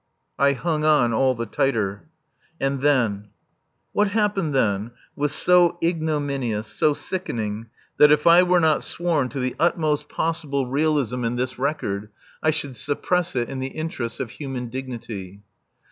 I hung on all the tighter. And then What happened then was so ignominious, so sickening, that, if I were not sworn to the utmost possible realism in this record, I should suppress it in the interests of human dignity.